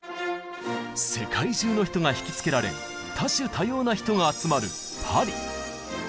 世界中の人がひきつけられ多種多様な人が集まるパリ。